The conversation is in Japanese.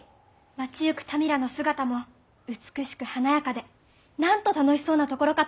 街ゆく民らの姿も美しく華やかでなんと楽しそうなところかと！